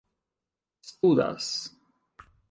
studas